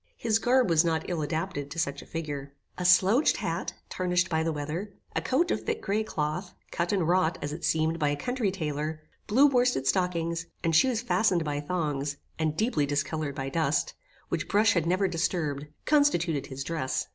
His garb was not ill adapted to such a figure. A slouched hat, tarnished by the weather, a coat of thick grey cloth, cut and wrought, as it seemed, by a country tailor, blue worsted stockings, and shoes fastened by thongs, and deeply discoloured by dust, which brush had never disturbed, constituted his dress.